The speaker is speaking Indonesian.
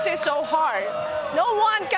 tidak ada yang bisa menunjukkan